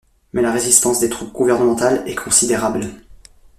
Mais la résistance des troupes gouvernementales est considérable.